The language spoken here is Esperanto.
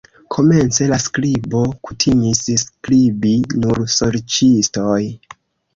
Komence, la skribo kutimis skribi nur sorĉistoj.